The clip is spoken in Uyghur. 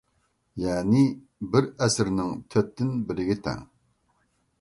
يەنى بىر ئەسىرنىڭ تۆتتىن بىرىگە تەڭ.